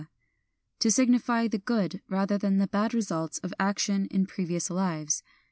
to signify the good, rather than the bad results of action in previous lives.